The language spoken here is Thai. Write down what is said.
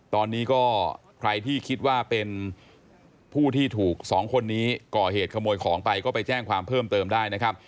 ตอนนี้ก็ใครที่คิดว่าเป็นผู้ที่ถูกสองคนนี้ก่อเหตุขโมยของไปก็ไปแจ้งความเพิ่มเติมได้นะครับ